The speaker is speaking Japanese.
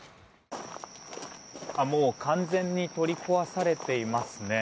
もう完全に取り壊されていますね。